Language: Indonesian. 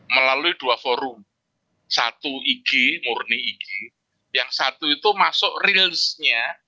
melalui dua forum satu ig murni ig yang satu itu masuk realsnya